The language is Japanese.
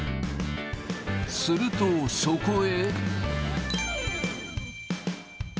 すると、そこへ。